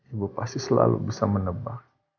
ibu pasti selalu bisa menebak